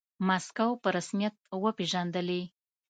موسکو په رسميت وپیژندلې.